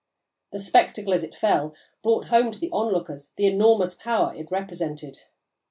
The spectacle, as it fell, brought home to the onlookers the enormous power it represented.